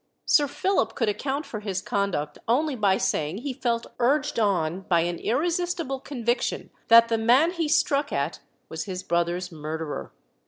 Sir Philip could account for his conduct only by saying he felt urged on by an irresistible conviction that the man he struck at was his brother's murderer.